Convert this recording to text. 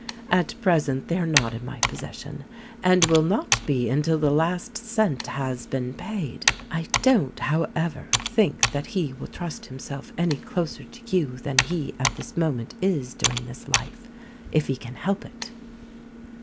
At present they are not in my possession, and will not be until the last cent has been paid. I don't, however, think that he will trust himself any closer to you than he at this moment is during this life — if he can help it."